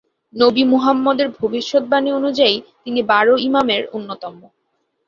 নবী মুহাম্মদের ভবিষ্যদ্বাণী অনুযায়ী তিনি বারো ইমামের অন্যতম।